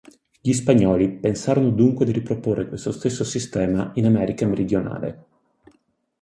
Gli spagnoli pensarono dunque di riproporre questo stesso sistema in America meridionale.